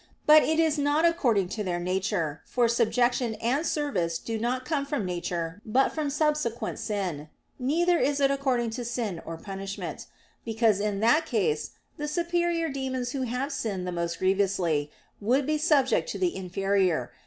But it is not according to their nature, for subjection and service do not come from nature but from subsequent sin; neither is it according to sin or punishment, because in that case the superior demons who have sinned the most grievously, would be subject to the inferior.